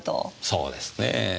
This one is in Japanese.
そうですねえ。